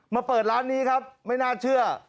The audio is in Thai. เปิดร้านนี้ครับไม่น่าเชื่อ